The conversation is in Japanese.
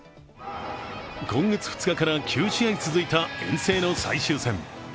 今月２日から９試合続いた遠征の最終戦。